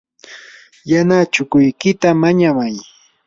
yana chukuykita mañamay.